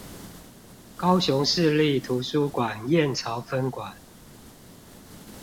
高雄市立圖書館燕巢分館